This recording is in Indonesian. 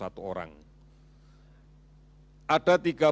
ada tiga puluh lima yang menyebabkan